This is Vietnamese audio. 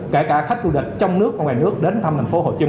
kể cả khách du lịch